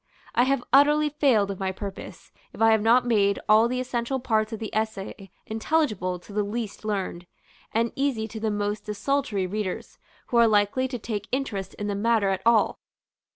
I have utterly failed of my purpose, if I have not made all the essential parts of the essay intelligible to the least learned, and easy to the most desultory readers, who are likely to take interest in the matter at all.